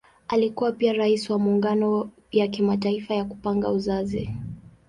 Alikuwa pia Rais wa Muungano ya Kimataifa ya Kupanga Uzazi.